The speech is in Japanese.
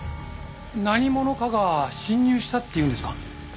何者かが侵入したっていうんですか？